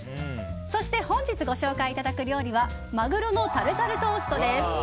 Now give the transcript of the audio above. そして、本日ご紹介いただく料理はマグロのタルタルトーストです。